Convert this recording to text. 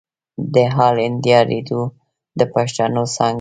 د آل انډيا ريډيو د پښتو څانګې